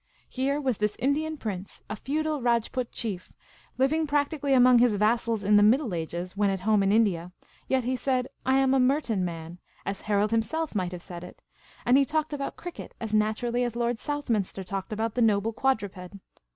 Here was this Indian prince, a feudal Rajput chief, living practically among his vassals in the Middle Ages when at home in India ; yet he said, " I am a Merton man," as Harold himself might have said it ; and he talked about cricket as naturally as Lord vSouthminster talked about the noble quadruped.